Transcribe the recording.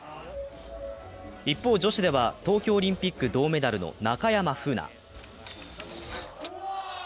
一方、女子では東京オリンピック銅メダルの中山楓奈。